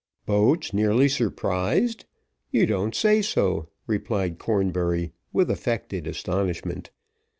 "Boats nearly surprised! you don't say so," replied Cornbury, with affected astonishment.